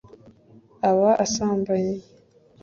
aba asambanye